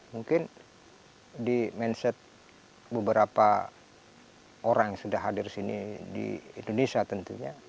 mungkin di mindset beberapa orang yang sudah hadir di sini di indonesia tentunya